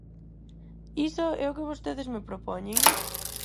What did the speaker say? ¿Iso é o que vostedes me propoñen?